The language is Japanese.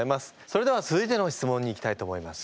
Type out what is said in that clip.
それでは続いての質問にいきたいと思います。